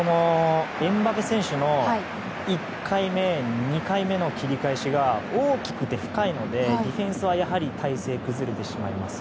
エムバペ選手の１回目、２回目の切り返しが大きくて深いのでディフェンスはやはり体勢が崩れてしまいます。